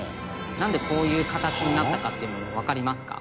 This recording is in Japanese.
「なんでこういう形になったかっていうのわかりますか？」